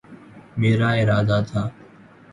میرا ارادہ تھا